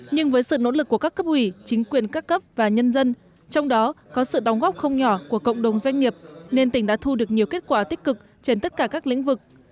nhưng với sự nỗ lực của các cấp ủy chính quyền các cấp và nhân dân trong đó có sự đóng góp không nhỏ của cộng đồng doanh nghiệp nên tỉnh đã thu được nhiều kết quả tích cực trên tất cả các lĩnh vực